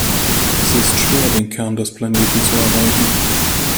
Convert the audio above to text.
Es ist schwer, den Kern des Planeten zu erreichen.